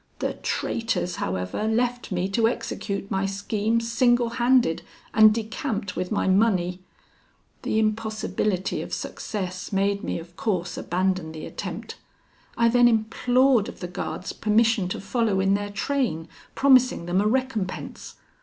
The traitors, however, left me to execute my scheme single handed, and decamped with my money. The impossibility of success made me of course abandon the attempt, I then implored of the guards permission to follow in their train, promising them a recompense.